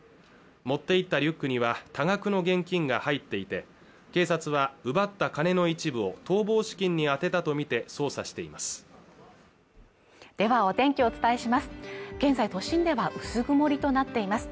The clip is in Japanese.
持っていたリュックには多額の現金が入っていて警察は奪った金の一部を逃亡資金に充てたとみて捜査していますではお天気お伝えします